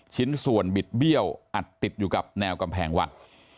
ชิ้นส่วนบิดเบี้ยวอัดติดอยู่กับแนวกำแพงวัด